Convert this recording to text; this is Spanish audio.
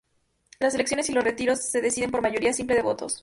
Las elecciones y los retiros se deciden por mayoría simple de votos.